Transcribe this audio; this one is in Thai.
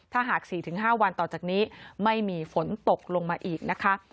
ถ้าหาก๔๕วันต่อจากนี้ไม่มีฝนตกลงมาอีกนะคะ